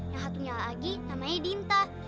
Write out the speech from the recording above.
yang satunya lagi namanya dinta